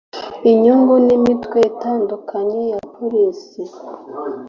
inyungu n imitwe itandukanye ya polisi